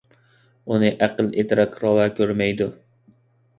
ئۇنى ئەقىل - ئىدراك راۋا كۆرمەيدۇ.